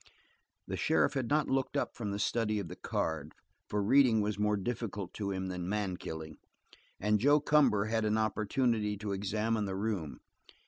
The sheriff had not looked up from the study of the card, for reading was more difficult to him than man killing, and Joe Cumber had an opportunity to examine the room.